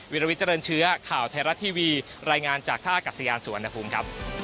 วิลวิทเจริญเชื้อข่าวไทยรัฐทีวีรายงานจากท่ากัศยานสุวรรณภูมิครับ